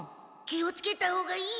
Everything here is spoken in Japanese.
気をつけたほうがいいよ。